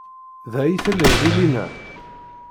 Da ay tellid llinna?